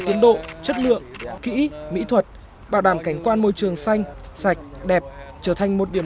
tiến độ chất lượng kỹ mỹ thuật bảo đảm cảnh quan môi trường xanh sạch đẹp trở thành một điểm